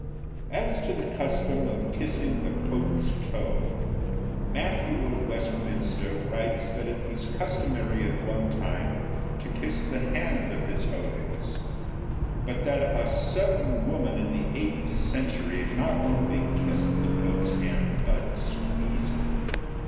As to the custom of kissing the Pope's toe, Matthew of Westminster writes that it was customary at one time to kiss the hand of His Holiness, but that a certain woman in the eighth century not only kissed the Pope's hand, but squeezed it.